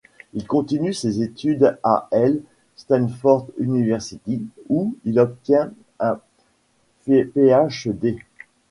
Il continue ses études à l'Stanford University, où il obtient un Ph.D.